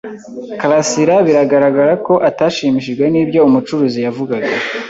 karasira biragaragara ko atashimishijwe nibyo umucuruzi yavugaga.